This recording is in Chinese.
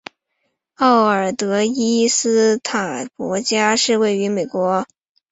奥尔德伊斯塔博加是位于美国阿拉巴马州塔拉迪加县的一个非建制地区。